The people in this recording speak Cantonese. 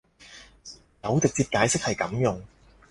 有直接解釋係噉用